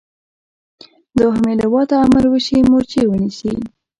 دوهمې لواء ته امر وشي مورچې ونیسي.